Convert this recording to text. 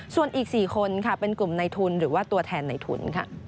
ส่วนอีก๔คนเป็นกลุ่มในทุนหรือว่าตัวแทนในทุน